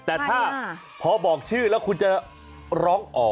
แต่ถ้าพอบอกชื่อแล้วคุณจะร้องออก